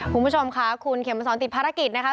คุณผู้ชมค่ะคุณเขมสอนติดภารกิจนะคะ